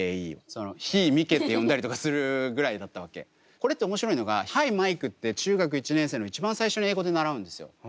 これって面白いのが「Ｈｉ，Ｍｉｋｅ」って中学１年生の一番最初に英語で習うんですよ。